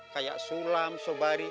kayak sulam sobari